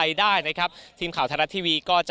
ได้นะครับทีมข่าวโทรลัดทีวีก็จะเกาะติดและให้กำลังใจ